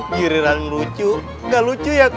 jirirang lucu nggak lucu ya kak